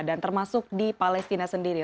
dan termasuk di palestina sendiri